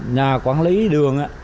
nhà quản lý đường